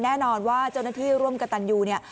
แน่นอนว่าเจ้าหน้าที่ร่วมกับตันยูเนี่ย